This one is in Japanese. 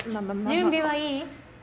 準備はいい？